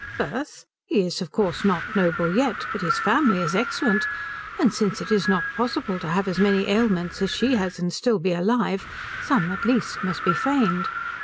"Birth? He is of course not noble yet, but his family is excellent. And since it is not possible to have as many ailments as she has and still be alive, some at least must be feigned.